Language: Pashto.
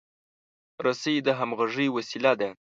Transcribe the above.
رسۍ د همغږۍ وسیله ده.